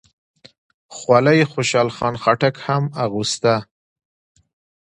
خولۍ د خوشحال خان خټک هم اغوسته.